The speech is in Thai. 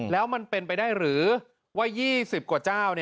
แล้วมันเป็นไปได้หรือว่า๒๐กว่าเจ้า